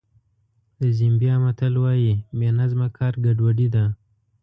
د زیمبیا متل وایي بې نظمه کار ګډوډي ده.